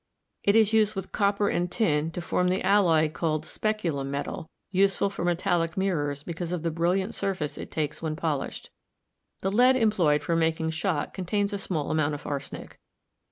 It is used with copper and tin to form the alloy called speculum metal, useful for metallic mirrors because of the brilliant surface it takes when polished. The lead employed for making shot con tains a small amount of arsenic.